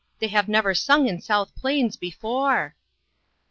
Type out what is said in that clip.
They have never sung in South Plains before